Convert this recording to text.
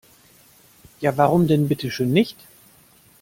Ja, warum denn bitteschön nicht?